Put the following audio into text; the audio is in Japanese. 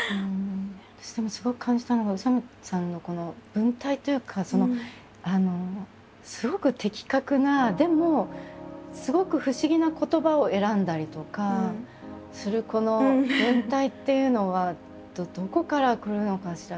私でもすごく感じたのは宇佐見さんのこの文体というかすごく的確なでもすごく不思議な言葉を選んだりとかするこの文体っていうのはどこからくるのかしら？